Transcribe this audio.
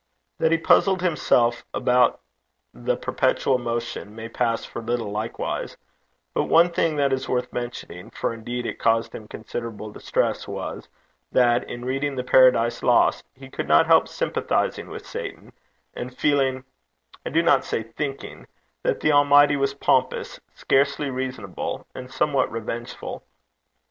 That he puzzled himself about the perpetual motion may pass for little likewise; but one thing which is worth mentioning, for indeed it caused him considerable distress, was, that in reading the Paradise Lost he could not help sympathizing with Satan, and feeling I do not say thinking that the Almighty was pompous, scarcely reasonable, and somewhat revengeful.